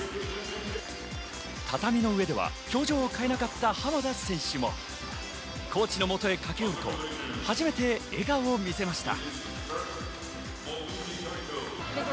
畳の上では表情を変えなかった浜田選手も、コーチのもとへ駆け寄ると、初めて笑顔を見せました。